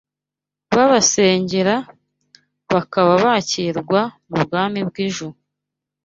babasengera, bajkaba bakirwa mu bwami bw’ijuru